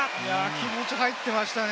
気持ち入っていましたね。